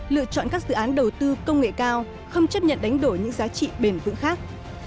lựa chọn các dự án đầu tư công nghệ cao không chấp nhận đánh đổi những giá trị bền vững khác